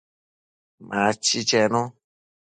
Machi chenu